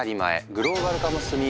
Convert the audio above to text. グローバル化も進み